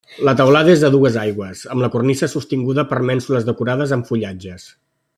La teulada és a dues aigües, amb la cornisa sostinguda per mènsules decorades amb fullatges.